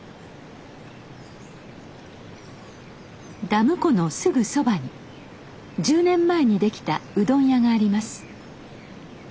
ダム湖のすぐそばに１０年前にできたうどん屋があります。